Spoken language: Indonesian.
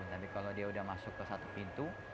tapi kalau dia udah masuk ke satu pintu